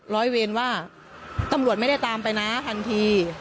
ร้อยเวรว่าตำรวจไม่ได้ตามไปนะทันที